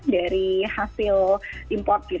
dari hasil pemerintah